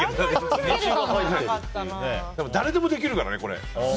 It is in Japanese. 誰でもできるからね、これ。